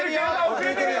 遅れてるよ！